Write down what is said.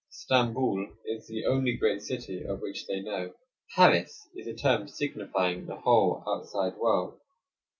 Stamboul is the only great city of which they know. Paris is a term signifying the whole outside world.